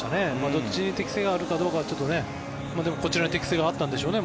どっちに適性があるかはでもこちらに適性があったんでしょうね。